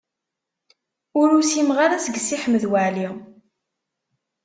Ur usimeɣ ara deg Si Ḥmed Waɛli.